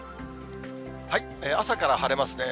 朝から晴れますね。